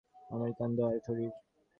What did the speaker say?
আমেরিকানরা দয়ার শরীর।